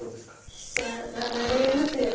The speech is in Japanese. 飛車が成れますよね。